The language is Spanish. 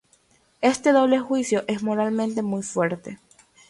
Este doble juicio es moralmente muy fuerte.